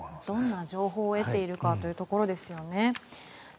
どんな情報を得ているかというところですね。